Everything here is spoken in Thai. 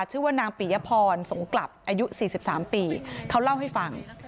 ชื่อว่านางปิยพรสงกลับอายุ๔๓ปีเขาเล่าให้ฟัง